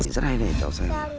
rất hay nè cháu xem